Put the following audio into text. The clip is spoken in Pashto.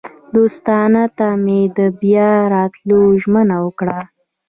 دوستانو ته مې د بیا راتلو ژمنه وکړه.